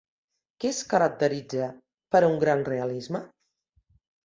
Què es caracteritza per un gran realisme?